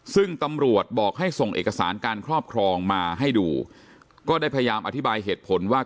ซึ่งตำรวจบอกให้ส่งเอกสารการครอบครองมาให้ดูก็ได้พยายามอธิบายเหตุผลว่า